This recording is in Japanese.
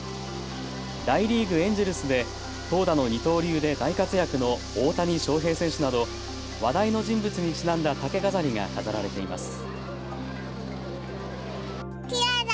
大リーグ、エンジェルスで投打の二刀流で大活躍の大谷翔平選手など話題の人物にちなんだ竹飾りが飾られています。